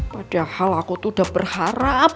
padahal aku tuh udah berharap